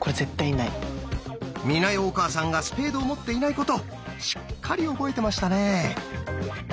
美奈代お母さんがスペードを持っていないことしっかり覚えてましたね。